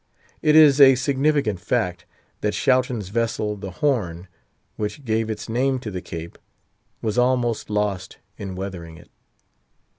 It is a significant fact, that Schouten's vessel, the Horne, which gave its name to the Cape, was almost lost in weathering it.